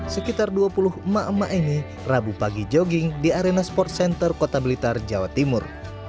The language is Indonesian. sekitar dua puluh emak emak ini rabu pagi jogging di arena sports center kota blitar jawa timur